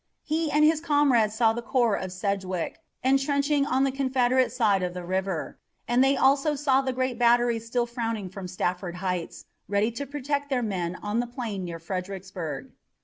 He and his comrades saw the corps of Sedgwick entrenching on the Confederate side of the river, and they also saw the great batteries still frowning from Stafford Heights, ready to protect their men on the plain near Fredericksburg.